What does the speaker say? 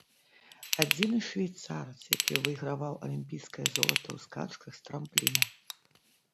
Адзіны швейцарац, які выйграваў алімпійскае золата ў скачках з трампліна.